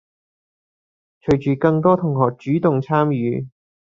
隨著更多同學主動參與